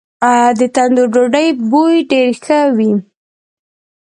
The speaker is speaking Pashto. د تندور ډوډۍ بوی ډیر ښه وي.